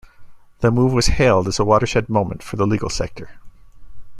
The move was hailed as a 'watershed moment' for the legal sector.